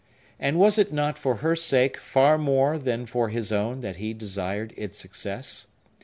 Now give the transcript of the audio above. And was it not for her sake far more than for his own that he desired its success?